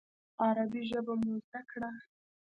عربي ژبه مو زده کړه.